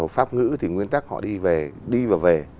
pháp ngữ thì nguyên tắc họ đi và về